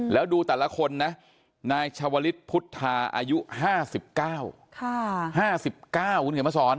แล้วดูแต่ละคนนะนายชาวลิศพุทธาอายุ๕๙๕๙คุณเขียนมาสอน